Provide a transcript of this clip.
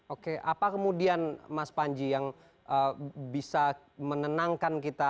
oke apa kemudian mas panji yang bisa menenangkan kita